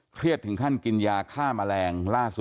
ถึงขั้นกินยาฆ่าแมลงล่าสุด